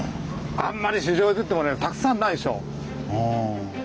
あんまり市場へ出てもねたくさんないでしょ。